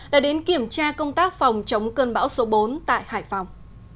đã đến kiểm tra công tác phòng chống cơn bão số bốn tại hải phòng